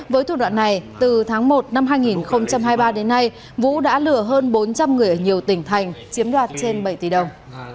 với thủ đoạn này từ tháng một năm hai nghìn hai mươi ba đến nay vũ đã lừa hơn bốn trăm linh người ở nhiều tỉnh thành chiếm đoạt trên bảy tỷ đồng